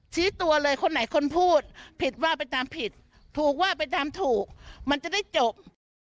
ชี้ตัวเลยคนไหนคนพูดผิดว่าไปตามผิดถูกว่าไปตามถูกมันจะได้จบ